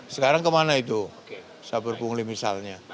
sekarang kemana itu saber pungli misalnya